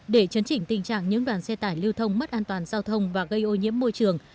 để chấn chỉnh tình trạng những đoàn xe tải lưu thông mất an toàn giao thông và gây ô nhiễm môi trường